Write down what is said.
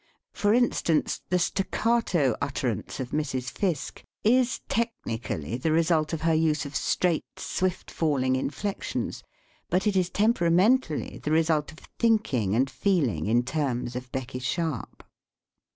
For instance, the staccato utterance of Mrs. Fiske is techni cally the result of her use of straight, swift falling inflections, but it is temperamentally the result of thinking and feeling in terms of Becky Sharp.